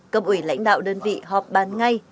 cấp ủy lãnh đạo đơn vị họp bàn ngay